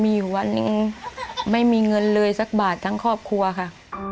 มีอยู่วันหนึ่งไม่มีเงินเลยสักบาททั้งครอบครัวค่ะ